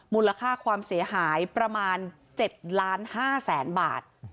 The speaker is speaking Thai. มูลค่าความเสียหายประมาณ๗ล้าน๕แสนบาท